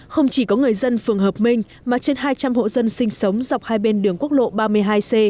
không chỉ có người dân phường hợp minh mà trên hai trăm linh hộ dân sinh sống dọc hai bên đường quốc lộ ba mươi hai c